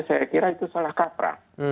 saya kira itu salah kaprah